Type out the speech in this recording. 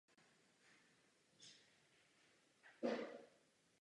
V jeho dílech se zároveň objevuje vlastenectví a hledání morálních a společenských hodnot.